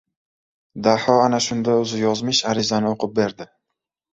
Daho ana shunda o‘zi yozmish arizani o‘qib berdi.